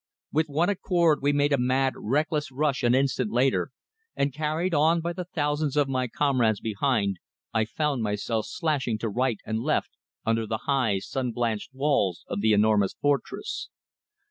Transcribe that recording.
With one accord we made a mad, reckless rush an instant later, and carried on by the thousands of my comrades behind, I found myself slashing to right and left under the high, sun blanched walls of the enormous fortress.